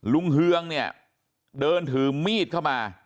เฮืองเนี่ยเดินถือมีดเข้ามา